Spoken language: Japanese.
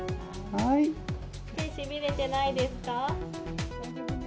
手しびれてないですか？